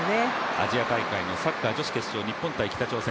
アジア大会の女子サッカー決勝、日本×北朝鮮。